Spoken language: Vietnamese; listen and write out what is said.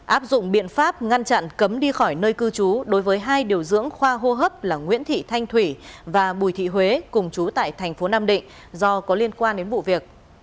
áp dụng biện pháp ngăn chặn cấm đi khỏi nơi cư trú đối với hai điều dưỡng khoa hô hấp là nguyễn thị thanh thủy và bùi thị huế cùng chú tại thành phố nam định do có liên quan đến vụ việc